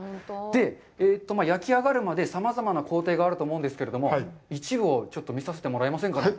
で、焼き上がるまでさまざまな工程があると思うんですけれども、一部を見させてもらえませんかね？